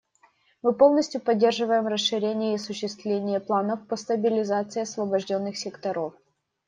Мы полностью поддерживаем расширение и осуществление планов по стабилизации освобожденных секторов.